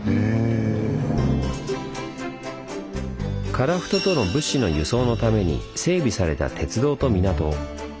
樺太との物資の輸送のために整備された鉄道と港。